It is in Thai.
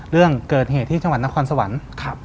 เรื่องเกิดเหตุที่จังหวัดนครสวรรค์